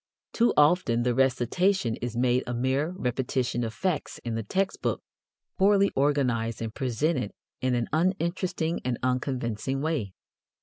Too often the recitation is made a mere repetition of facts in the text book, poorly organized and presented in an uninteresting and unconvincing way.